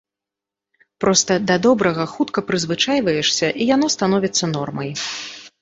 Проста, да добрага хутка прызвычайваешся і яно становіцца нормай.